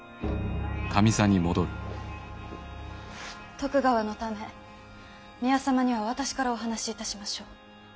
徳川のため宮様には私からお話しいたしましょう。